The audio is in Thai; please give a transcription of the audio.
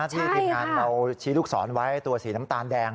ทีมงานเราชี้ลูกศรไว้ตัวสีน้ำตาลแดง